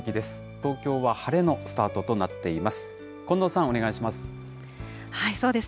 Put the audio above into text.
東京は晴れのスタートとなっています。